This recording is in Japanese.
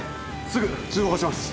すぐ通報します。